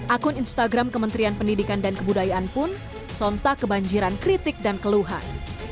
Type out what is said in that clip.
akun instagram kementerian pendidikan dan kebudayaan pun sontak kebanjiran kritik dan keluhan